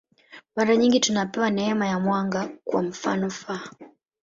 Mara nyingi tunapewa neema ya mwanga, kwa mfanof.